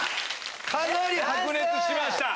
かなり白熱しました。